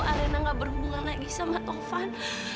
arena gak berhubungan lagi sama tovan